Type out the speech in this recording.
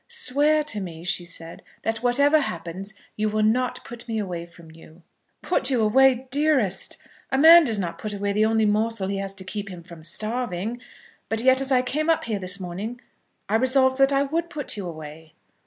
"Swear to me," she said, "that whatever happens you will not put me away from you." "Put you away, dearest! A man doesn't put away the only morsel he has to keep him from starving. But yet as I came up here this morning I resolved that I would put you away."